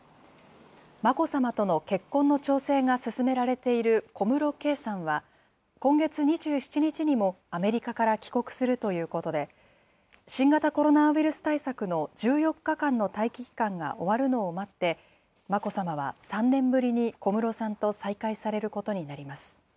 眞子さまとの結婚の調整が進められている小室圭さんは、今月２７日にもアメリカから帰国するということで、新型コロナウイルス対策の１４日間の待機期間が終わるのを待って、眞子さまは３年ぶりに小室さんと再会されることになります。